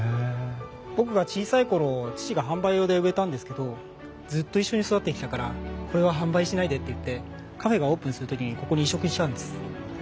僕が小さい頃父が販売用で植えたんですけどずっと一緒に育ってきたからこれは販売しないでって言ってカフェがオープンする時にここに移植したんです。